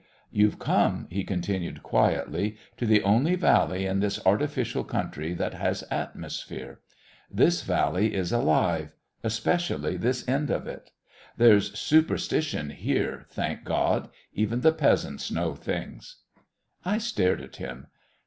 "You've come," he continued quietly, "to the only valley in this artificial country that has atmosphere. This valley is alive especially this end of it. There's superstition here, thank God! Even the peasants know things." I stared at him.